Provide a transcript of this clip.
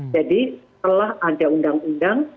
jadi setelah ada undang undang